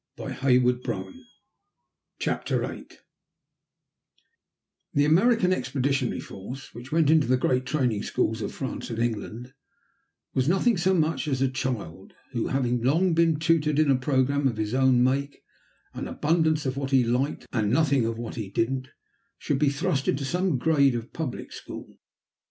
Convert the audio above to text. CHAPTER VIII BACK WITH THE BIG GUNS THE American Expeditionary Force which went into the great training schools of France and England was like nothing so much as a child who, having long been tutored in a programme of his own make, an abundance of what he liked and nothing of what he didn't, should be thrust into some grade of a public school.